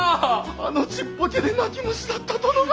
あのちっぽけで泣き虫だった殿が！